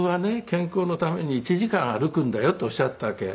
健康のために１時間歩くんだよ」っておっしゃったわけ。